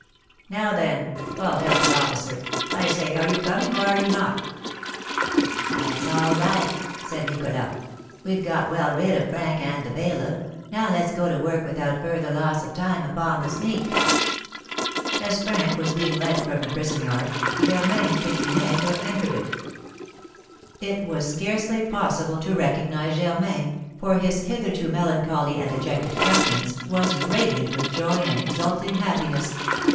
"Now, then," called out the officer, "I say, are you coming or are you not?" "That's all right!" said Nicholas. "We've got well rid of Frank and the bailiff, now let's go to work without further loss of time upon the sneak!" As Frank was being led from the prison yard, Germain and Pique Vinaigre entered it. It was scarcely possible to recognise Germain, for his hitherto melancholy and dejected countenance was radiant with joy and exulting happiness.